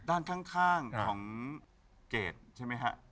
ด้านข้างของเกรดใช่ไหมฮะ